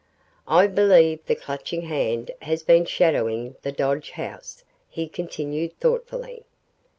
"I believe the Clutching Hand has been shadowing the Dodge house," he continued thoughtfully.